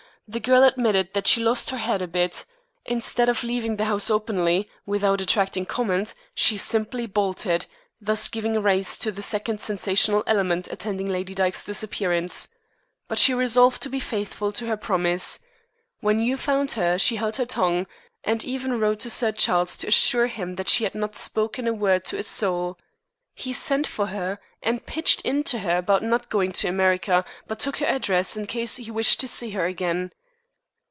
The girl admitted that she lost her head a bit. Instead of leaving the house openly, without attracting comment, she simply bolted, thus giving rise to the second sensational element attending Lady Dyke's disappearance. But she resolved to be faithful to her promise. When you found her she held her tongue, and even wrote to Sir Charles to assure him that she had not spoken a word to a soul. He sent for her, and pitched into her about not going to America, but took her address in case he wished to see her again."